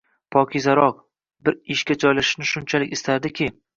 Pokizarok, bir ishga joylashishni shunchalar istardiki...